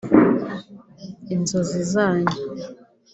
inzozi zanyu